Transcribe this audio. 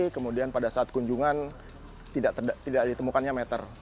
kemudian pada saat kunjungan tidak ditemukannya meter